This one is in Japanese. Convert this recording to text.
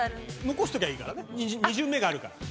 残しときゃいいからね２巡目があるから。